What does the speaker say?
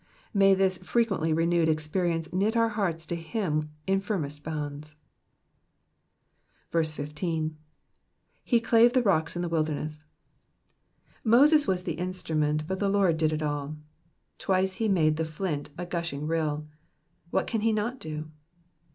May this frequently renewed experience knit our hearts to him in firmest bonds. 15. ^^He elate the rocks in the toilderness.'*^ Moses was the instrument, but the Lord did it all. Twice he made the fiint ^gushing rill. What can he not do